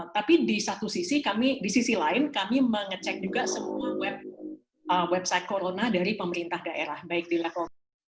tapi di satu sisi kami di sisi lain kami mengecek juga semua website corona dari pemerintah daerah baik di level